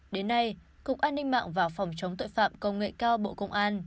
đến nay cục an ninh mạng và phòng chống tội phạm công nghệ cao bộ công an